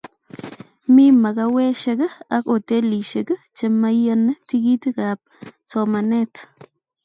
mi makawesheck ak hotelisheck chemaiyani tikitit ab somanet